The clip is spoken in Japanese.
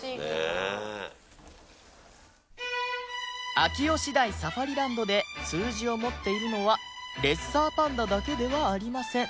秋吉台サファリランドで数字を持っているのはレッサーパンダだけではありません